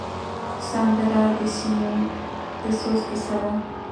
سندره د سینې د سوز کیسه ده